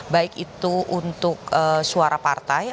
baik itu untuk suara partai